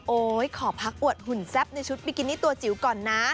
ขอพักอวดหุ่นแซ่บในชุดบิกินี่ตัวจิ๋วก่อนนะ